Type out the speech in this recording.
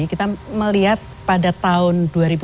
kita melihat pada tahun dua ribu dua puluh lima